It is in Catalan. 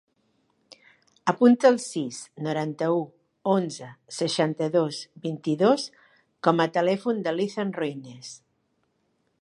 Apunta el sis, noranta-u, onze, seixanta-dos, vint-i-dos com a telèfon de l'Ethan Reynes.